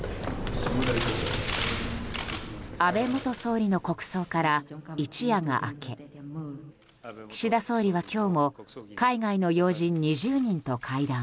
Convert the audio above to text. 安倍元総理の国葬から一夜が明け岸田総理は今日も海外の要人２０人と会談。